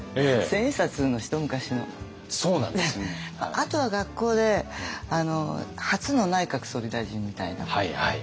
あとは学校で初の内閣総理大臣みたいなかな。